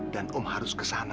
dan om harus kesana